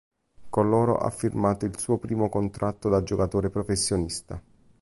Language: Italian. Con loro ha firmato il suo primo contratto da giocatore professionista.